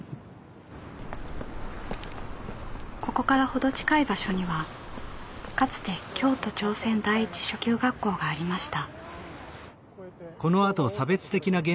ここから程近い場所にはかつて京都朝鮮第一初級学校がありました。